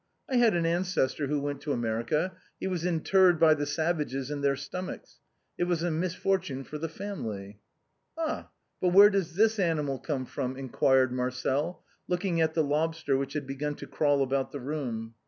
I had an ancestor who went to America; he was interred by the savages in their stom achs. It was a misfortune for the family." "Ah ! but where does this animal come from ?" enquired Marcel, looking at the lobster which had began to crawl about the room.